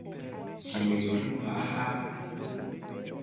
Jimepuxaxa.